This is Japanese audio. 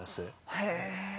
へえ！